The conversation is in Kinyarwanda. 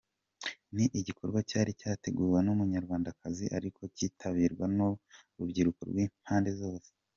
Ni igikorwa cyari cyateguwe n’Umunyarwandakazi ariko cyitabirwa n’urubyiruko rw’impande zose.